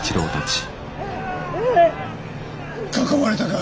囲まれたか。